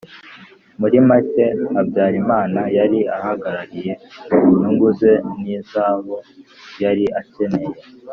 muri make habyarimana yari ahagarariye inyungu ze n' iz' abo yari akeneye.